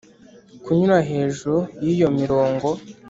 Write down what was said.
Kunyura hejuru y’iyo mirongo